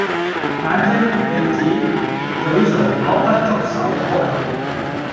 眼睛、鼻子、咀唇彷彿觸手可及